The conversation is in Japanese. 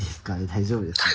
大丈夫ですか？